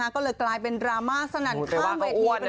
ก็เลยกลายเป็นดราม่าสนั่นข้ามเวทีไปเลย